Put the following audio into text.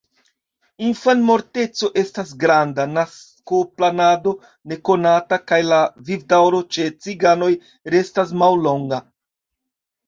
Infanmorteco estas granda, naskoplanado nekonata kaj la vivdaŭro ĉe ciganoj restas mallonga.